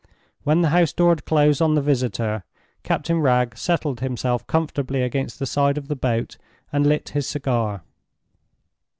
When the house door had closed on the visitor, Captain Wragge settled himself comfortably against the side of the boat and lit his cigar.